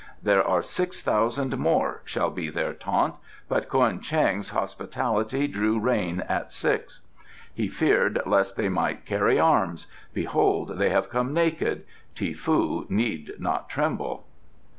'There are six thousand more,' shall be their taunt, 'but Ko'en Cheng's hospitality drew rein at six. He feared lest they might carry arms; behold they have come naked. Ti foo need not tremble."